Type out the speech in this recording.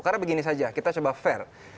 karena begini saja kita coba fair